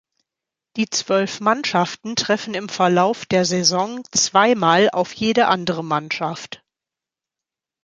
Die zwölf Mannschaften treffen im Verlauf der Saison zweimal auf jede andere Mannschaft.